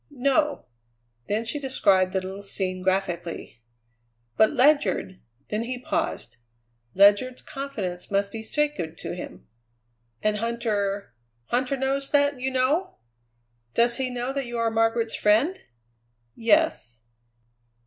"No." Then she described the little scene graphically. "But Ledyard " Then he paused. Ledyard's confidence must be sacred to him. "And Huntter Huntter knows that you know; does he know that you are Margaret's friend?" "Yes."